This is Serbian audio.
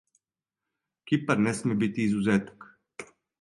Кипар не сме бити изузетак.